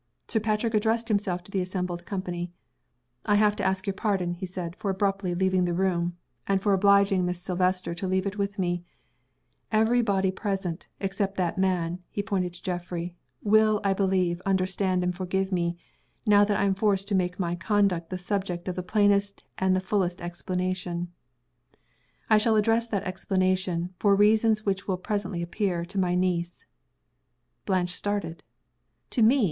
Sir Patrick addressed himself to the assembled company. "I have to ask your pardon," he said, "for abruptly leaving the room, and for obliging Miss Silvester to leave it with me. Every body present, except that man" (he pointed to Geoffrey), "will, I believe, understand and forgive me, now that I am forced to make my conduct the subject of the plainest and the fullest explanation. I shall address that explanation, for reasons which will presently appear, to my niece." Blanche started. "To me!"